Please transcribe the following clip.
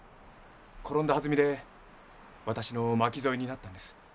転んだはずみで私の巻き添えになったんです。